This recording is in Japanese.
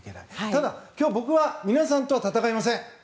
ただ、今日は僕は皆さんとは戦いません。